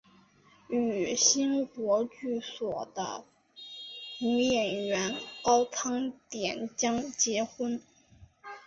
与新国剧所的女演员高仓典江结婚。